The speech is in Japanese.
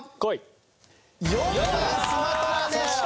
４番スマトラでした。